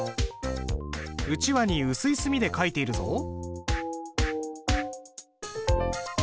うちわに薄い墨で書いているぞ。